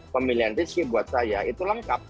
pemilihan rizky buat saya itu lengkap